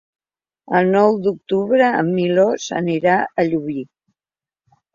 El nou d'octubre en Milos anirà a Llubí.